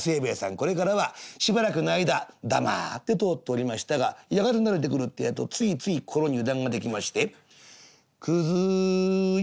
これからはしばらくの間黙って通っておりましたがやがて慣れてくるってえとついつい心に油断ができまして「くずい」。